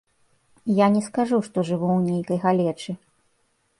Я не скажу, што жыву ў нейкай галечы.